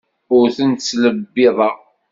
Ur ten-ttlebbiḍeɣ.